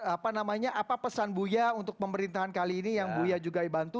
apa namanya apa pesan buya untuk pemerintahan kali ini yang buya juga bantu